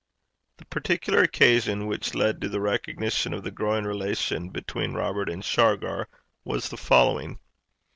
The particular occasion which led to the recognition of the growing relation between Robert and Shargar was the following.